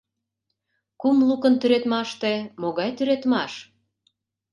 Кум лукын тӱредмаште могай тӱредмаш?